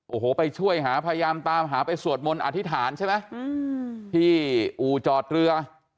โอ้โหไปช่วยหาพยายามตามหาไปสวดมนต์อธิษฐานใช่ไหมที่อู่จอดเรือ